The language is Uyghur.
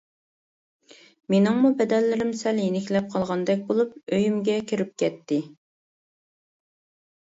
مېنىڭمۇ بەدەنلىرىم سەل يېنىكلەپ قالغاندەك بولۇپ ئۆيۈمگە كىرىپ كەتتى.